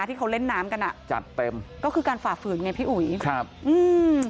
ที่เขาเล่นน้ำกันอ่ะจัดเต็มก็คือการฝ่าฝืนไงพี่อุ๋ยครับอืม